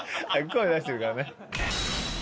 声出してるからね。